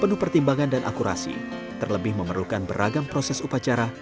penuh pertimbangan dan akurasi terlebih memerlukan beragam proses upacara